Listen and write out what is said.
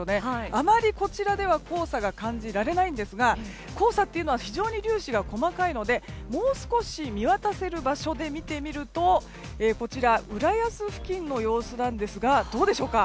あまりこちらでは黄砂が感じられないんですが黄砂というのは非常に粒子が細かいのでもう少し見渡せる場所で見てみるとこちら、浦安付近の様子ですがどうでしょうか。